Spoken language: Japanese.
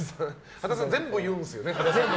羽田さん、全部言うんですよね。